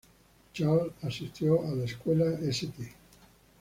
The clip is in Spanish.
Charles asistió a la escuela St.